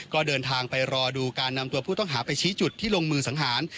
ก็เดินทางไปรอดูการนำตัวผู้ต้องหาไปชี้จุดที่ลงมือสังหาร